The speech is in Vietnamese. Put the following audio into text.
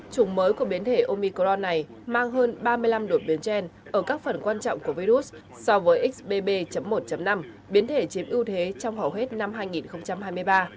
chủng mới của biến thể omicron này mang hơn ba mươi năm đột biến gen ở các phần quan trọng của virus so với xbb một năm biến thể chiếm ưu thế trong hầu hết năm hai nghìn hai mươi ba